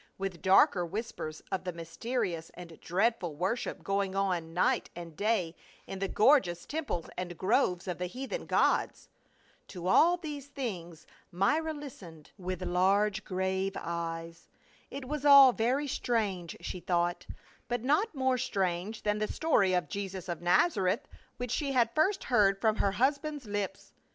With darker whispers of the mysterious and dreadful worship going on night and day in the gor geous temples and groves of the heathen gods. To all these things Myra listened with large grave THE ROSE OF LEBANON. 75 eyes. It was all very strange, she thought ; but not more strange than the story of Jesus of Nazareth, which she had first heard from her husband's lips.